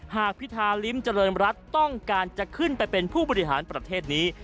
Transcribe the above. พิธาลิ้มเจริญรัฐต้องการจะขึ้นไปเป็นผู้บริหารประเทศนี้